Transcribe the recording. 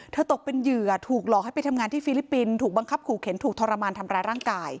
ตกเป็นเหยื่อถูกหลอกให้ไปทำงานที่ฟิลิปปินส์ถูกบังคับขู่เข็นถูกทรมานทำร้ายร่างกาย